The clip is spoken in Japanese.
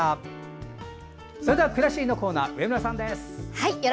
「くらしり」のコーナー上村さんです。